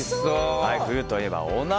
冬といえばお鍋。